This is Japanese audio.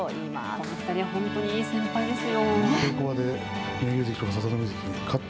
この２人は本当にいい先輩ですよ。